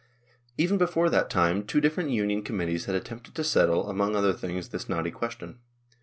Even before that time two different Union com mittees had attempted to settle, among other things, this knotty question.